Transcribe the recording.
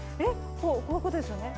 こういうことですよね。